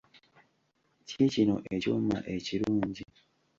Kiikino ekyuma ekirungi.